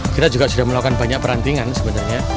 kita juga sudah melakukan banyak perantingan sebenarnya